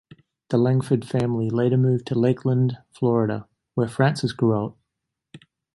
The Langford family later moved to Lakeland, Florida, where Frances grew up.